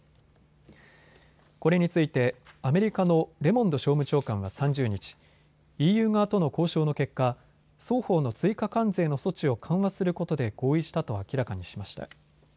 これについてアメリカのレモンド商務長官は３０日、ＥＵ側との交渉の結果、双方の追加関税の措置を緩和することで合意したと明らかにしました。